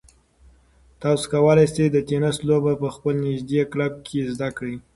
تاسو کولای شئ چې د تېنس لوبه په خپل نږدې کلب کې زده کړئ.